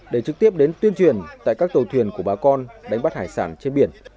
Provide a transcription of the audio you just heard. để trực tiếp đến tuyên truyền tại các tàu thuyền của bà con đánh bắt hải sản trên biển